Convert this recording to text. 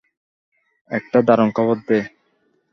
একটা দারুণ খবর দেই!